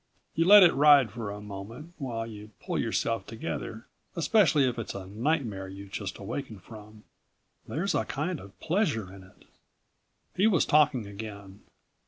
You let it ride for a moment, while you pull yourself together ... especially if it's a nightmare you've just awakened from. There's a kind of pleasure in it. He was talking again.